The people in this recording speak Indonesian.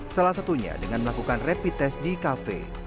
salah satunya dengan melakukan rapid test di kafe